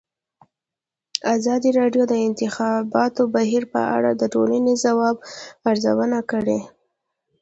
ازادي راډیو د د انتخاباتو بهیر په اړه د ټولنې د ځواب ارزونه کړې.